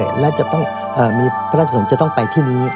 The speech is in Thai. พระราชสุนต้องไปที่นี้